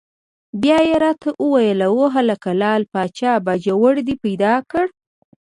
بیا یې را ته وویل: وهلکه لعل پاچا باجوړ دې پیدا کړ؟!